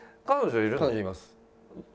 彼女います。